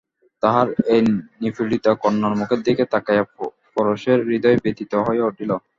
তাঁহার এই নিপীড়িতা কন্যার মুখের দিকে তাকাইয়া পরেশের হৃদয় ব্যথিত হইয়া উঠিল।